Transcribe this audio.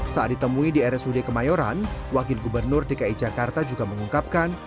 saat ditemui di rsud kemayoran wakil gubernur dki jakarta juga mengungkapkan